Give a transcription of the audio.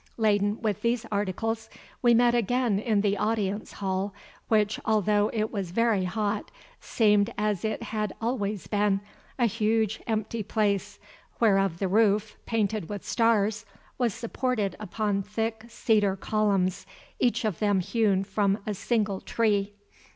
Laden with these articles, we met again in the audience hall, which, although it was very hot, seemed as it had always been, a huge, empty place, whereof the roof, painted with stars, was supported upon thick cedar columns, each of them hewn from a single tree.